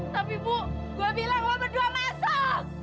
tapi bu gue bilang lo berdua masuk